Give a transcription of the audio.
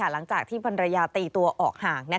หลังจากที่ภรรยาตีตัวออกห่าง